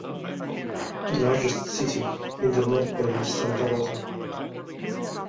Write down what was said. The largest city in the North Bay is Santa Rosa.